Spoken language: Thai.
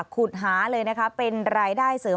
ขุดหาเลยนะคะเป็นรายได้เสริม